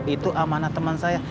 itu amanah teman saya